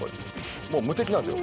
もう無敵なんですよ。